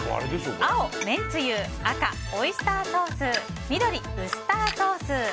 青、めんつゆ赤、オイスターソース緑、ウスターソース。